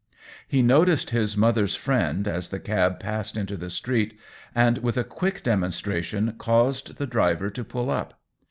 He noticed his mother's friend as the cab passed into the street, and, with a quick demonstration, caused the driver to pull up.